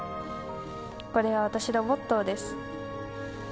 これは私のモットーです。